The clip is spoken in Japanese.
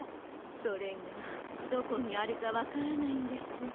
それがどこにあるかわからないんです。